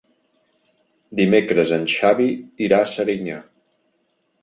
Dimecres en Xavi irà a Serinyà.